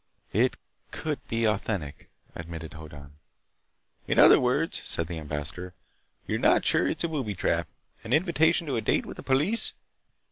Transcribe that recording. "It could be authentic," admitted Hoddan. "In other words," said the ambassador, "you are not sure that it is a booby trap—an invitation to a date with the police?"